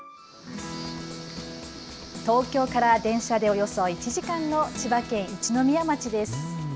東京から電車でおよそ１時間の千葉県一宮町です。